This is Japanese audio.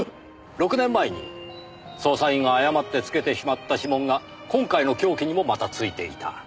６年前に捜査員が誤って付けてしまった指紋が今回の凶器にもまた付いていた。